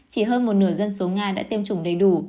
chỉ hơn một nửa dân số nga đã tiêm chủng đầy đủ